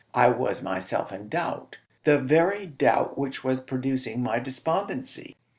I was myself in doubt the very doubt which was producing my despondency.